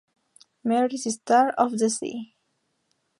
Mary's Star of the Sea.